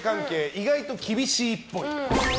意外と厳しいっぽい。